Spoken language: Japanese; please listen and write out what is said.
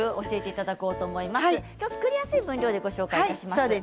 きょうは作りやすい分量でご紹介します。